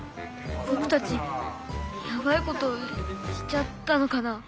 ぼくたちヤバいことしちゃったのかな。